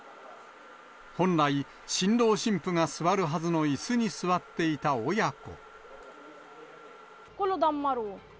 本来、新郎新婦が座るはずのいすに座っていた親子。